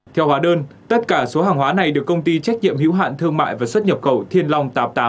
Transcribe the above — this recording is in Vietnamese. theo hóa đơn tất cả số hàng hóa này được công ty trách nhiệm hữu hạn thương mại và xuất nhập khẩu thiên long tám mươi tám